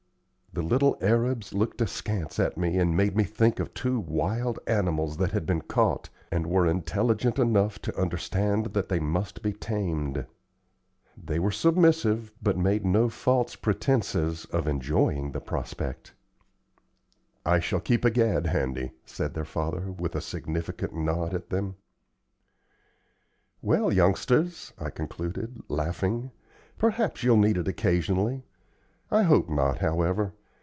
The little arabs looked askance at me and made me think of two wild animals that had been caught, and were intelligent enough to understand that they must be tamed. They were submissive, but made no false pretences of enjoying the prospect. "I shall keep a gad handy," said their father, with a significant nod at them. "Well, youngsters," I concluded, laughing, "perhaps you'll need it occasionally. I hope not, however.